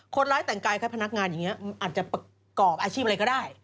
คนร้ายแต่งกายคล้ายพนักงานอย่างนี้อาจจะประกอบอาชีพอะไรก็ได้